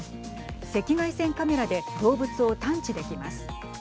赤外線カメラで動物を探知できます。